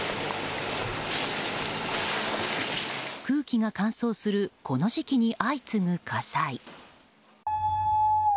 空気が乾燥するこの時期に相次ぐ火災。